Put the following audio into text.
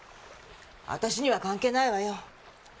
私には関係ないわよ。